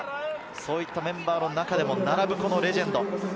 そういったメンバーの中でも並ぶレジェンド。